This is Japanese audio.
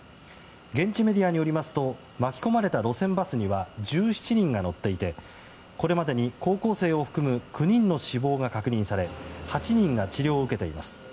現地メディアによりますと巻き込まれた路線バスには１７人が乗っていてこれまでに高校生を含む９人の死亡が確認され８人が治療を受けています。